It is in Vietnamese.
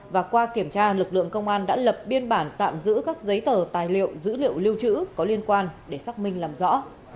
và qua kiểm tra lực lượng công an đã lập biên bản tạm giữ các giấy tờ tài liệu dữ liệu lưu trữ có liên quan để xác minh làm rõ